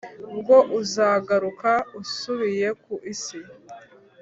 Bwo uzagaruka usubiye ku isi